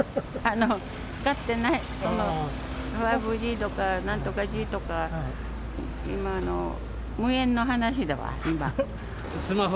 使ってない、５ＧとかなんとかＧとか、無縁の話だわ、スマホ？